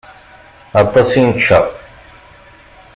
Aṭas i nečča.